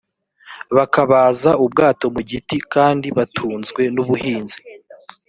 bakabaza ubwato mu giti kandi batunzwe n ubuhinzi